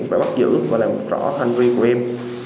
phải bắt giữ và làm rõ hành vi của em